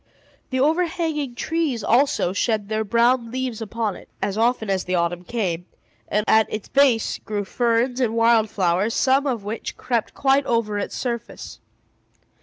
The overhanging trees, also, shed their brown leaves upon it, as often as the autumn came; and at its base grew ferns and wild flowers, some of which crept quite over its surface.